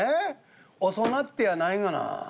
遅うなってやないがな。